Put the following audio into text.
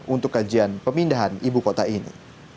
untuk kajian pemindahan ibu kota ini